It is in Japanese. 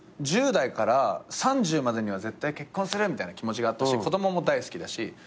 １０代から３０までには絶対結婚するみたいな気持ちがあったし子供も大好きだし。